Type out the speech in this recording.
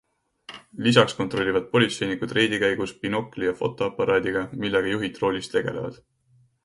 Lisaks kontrollivad politseinikud reidi käigus binokli ja fotoaparaadiga, millega juhid roolis tegelevad.